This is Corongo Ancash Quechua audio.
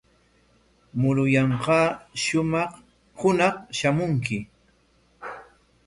Muruyanqaa hunaq shamunki.